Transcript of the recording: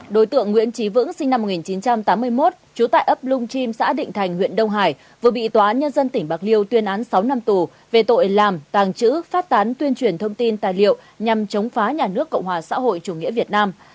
đối tượng nguyễn trí vững sinh năm một nghìn chín trăm tám mươi một trú tại ấp lung chim xã định thành huyện đông hải vừa bị tòa án nhân dân tỉnh bạc liêu tuyên án sáu năm tù về tội làm tàng trữ phát tán tuyên truyền thông tin tài liệu nhằm chống phá nhà nước cộng hòa xã hội chủ nghĩa việt nam